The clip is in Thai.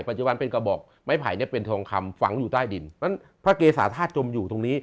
ปัจจุบันเป็นกระบอกไม้ไผ่เป็นทองคำฝังอยู่ใต้ดินพระเกษฐาธาตุจมอยู่ตรงนี้